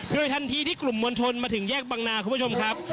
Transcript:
โดยทันทีที่กลุ่มมวลชนมาถึงแยกบังนาคุณผู้ชมครับ